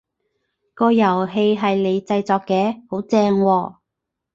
個遊戲係你製作嘅？好正喎！